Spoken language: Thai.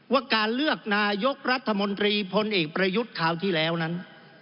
ว่าการเลือกนายกรัฐมนตรีพลเอกประยุทธ์คราวที่แล้วนั้น